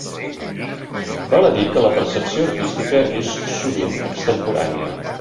Val a dir que la percepció artística és, sovint, extemporània.